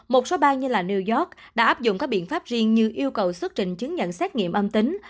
một số bang như new york đã áp dụng các biện pháp riêng như yêu cầu xuất trình chứng nhận xét nghiệm âm tính